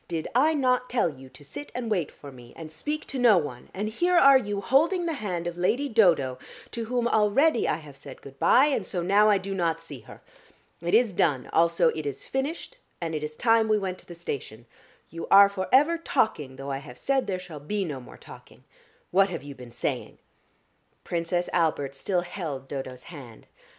"Did I not tell you to sit and wait for me and speak to no one, and here are you holding the hand of Lady Dodo, to whom already I have said good bye, and so now I do not see her. It is done, also it is finished, and it is time we went to the station. You are for ever talking, though I have said there shall be no more talking. What have you been saying?" Princess Albert still held Dodo's hand.